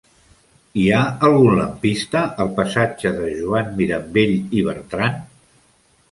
Hi ha algun lampista al passatge de Joan Mirambell i Bertran?